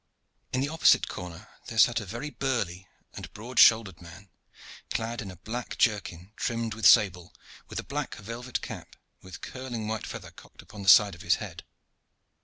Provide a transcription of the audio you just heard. In the opposite corner there sat a very burly and broad shouldered man, clad in a black jerkin trimmed with sable, with a black velvet cap with curling white feather cocked upon the side of his head.